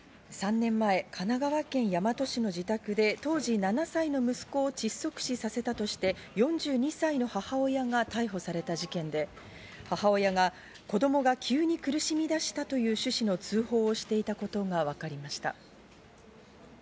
３年前、神奈川県大和市の自宅で当時７歳の息子を窒息死させたとして４２歳の母親が逮捕された事件で、母親が子供が急に苦しみ出したという趣旨の通報をしていたことがわかりました。